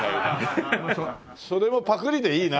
それもパクリでいいな。